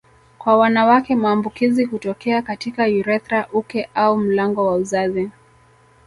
Kwa wanawake maambukizi hutokea katika urethra uke au mlango wa uzazi